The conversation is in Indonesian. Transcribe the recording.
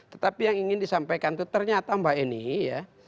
tetapi yang ingin disampaikan itu ternyata mbak eni ya